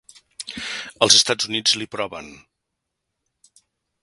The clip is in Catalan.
Els Estats Units li proven.